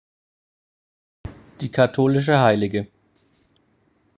Die Katholische Hl.